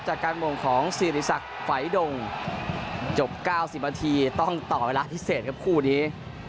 จากการมงของสิริศักดิ์ไฟดงจบ๙๐นาทีต้องต่อเวลาพิเศษครับคู่นี้